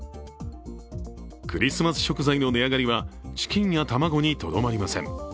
クリスマス食材の値上がりはチキンや卵にとどまりません。